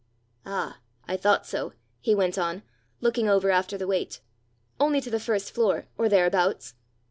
Ah, I thought so!" he went on, looking over after the weight; " only to the first floor, or thereabouts!